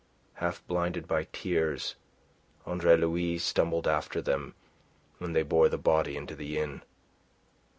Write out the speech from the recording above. Half blinded by tears Andre Louis stumbled after them when they bore the body into the inn.